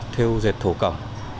theo dệt thổ cổng